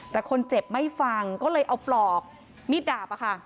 แต่คนเจ็บไม่ฟังก็เลยเอาปลอกมีดดาบอะค่ะ